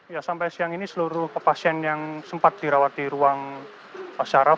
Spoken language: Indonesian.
ya sampai siang ini seluruh pasien yang sempat dirawat di ruang syaraf